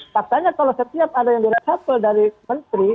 faktanya kalau setiap ada yang di reshuffle dari menteri